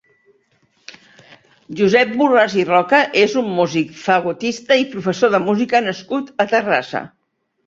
Josep Borràs i Roca és un músic, fagotista i professor de música nascut a Terrassa.